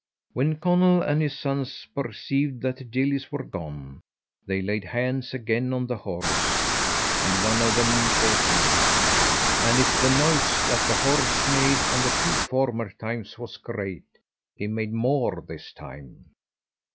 When Conall and his sons perceived that the gillies were gone, they laid hands again on the horse, and one of them caught him, and if the noise that the horse made on the two former times was great, he made more this time.